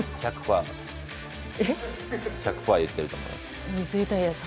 １００％言ってると思います。